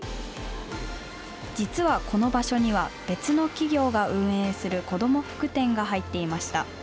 実はこの場所には別の企業が運営する子ども服店が入っていました。